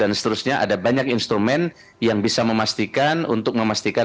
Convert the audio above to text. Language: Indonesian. dan seterusnya ada banyak instrumen yang bisa memastikan untuk memastikan